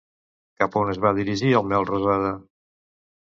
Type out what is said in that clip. Cap a on es va dirigir el Melrosada?